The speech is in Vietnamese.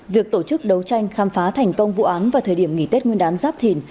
việc tổ chức đấu tranh khám phá thành công vụ án vào thời điểm nghỉ tết nguyên đán giáp thìn